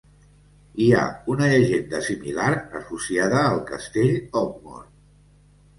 Hi ha una llegenda similar associada al castell Ogmore.